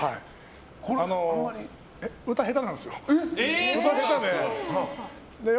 歌、下手なんですよ。